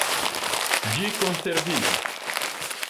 Ĝi konserviĝis.